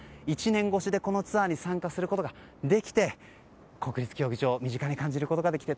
１年越しにこのツアーに参加することができて国立競技場を身近に感じることができて